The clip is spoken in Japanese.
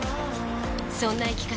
そんな生き方